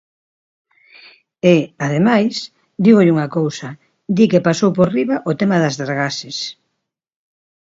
E, ademais, dígolle unha cousa: di que pasou por riba o tema das dragaxes.